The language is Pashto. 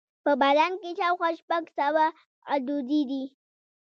په بدن کې شاوخوا شپږ سوه غدودي دي.